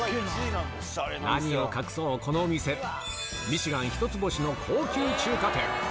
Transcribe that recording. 何を隠そう、このお店、ミシュラン一つ星の高級中華店。